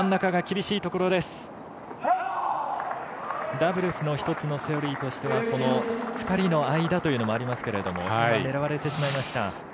ダブルスの１つのセオリーとしては２人の間というのもありますけれども狙われてしまいました。